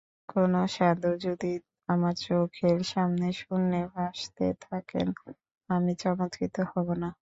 কোনো সাধু যদি আমার চোখের সামনে শূন্যে ভাসতে থাকেন, আমি চমৎকৃত হব না।